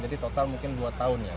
jadi total mungkin dua tahun ya